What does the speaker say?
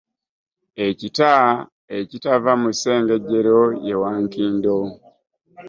Ekita ekitava mu sssengejero ye wankindo .